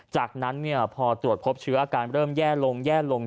จากนั้นพอตรวจพบเชื้ออาการเริ่มแย่ลงแย่ลง